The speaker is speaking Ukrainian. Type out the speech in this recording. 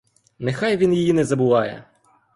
Нехай він її не забуває!